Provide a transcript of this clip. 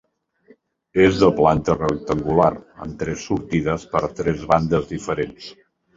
És de planta rectangular amb tres sortides per tres bandes diferents.